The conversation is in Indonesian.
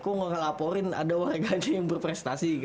kok gak laporin ada orang yang berprestasi gitu